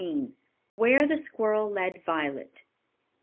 WHERE THE SQUIRREL LED VIOLET.